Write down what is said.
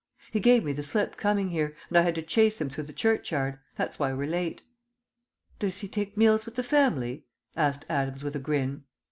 He gave me the slip coming here, and I had to chase him through the churchyard; that's why we're late." "Does he take meals with the family?" asked Adams with a grin.